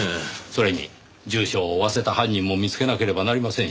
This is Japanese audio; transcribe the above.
それに重傷を負わせた犯人も見つけなければなりませんし。